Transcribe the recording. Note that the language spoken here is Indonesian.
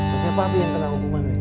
mesti papi yang kena hukuman mi